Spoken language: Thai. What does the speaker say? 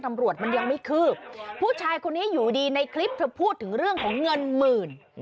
ตำรวจมันยังไม่คืบผู้ชายคนนี้อยู่ดีในคลิปเธอพูดถึงเรื่องของเงินหมื่น